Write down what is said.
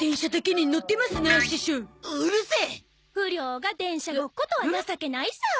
不良が電車ごっことは情けないさ。